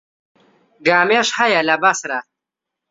گامێش هەیە لە بەسڕە.